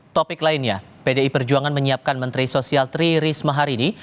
topik lainnya pdi perjuangan menyiapkan menteri sosial tri risma harini